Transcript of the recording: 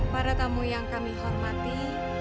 para tamu yang kami hormati